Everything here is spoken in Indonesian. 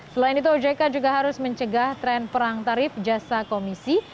selain itu ojk juga harus mencegah tren perang tarif jasa komisi